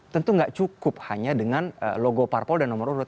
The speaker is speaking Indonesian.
tentu tidak cukup hanya dengan logo parpol dan nomor urut